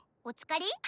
お疲れ？